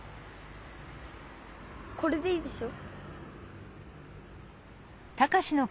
これでいいでしょ？